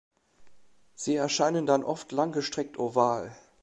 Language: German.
Sie erscheinen dann oft langgestreckt oval.